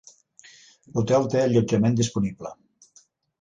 L"hotel té allotjament disponible.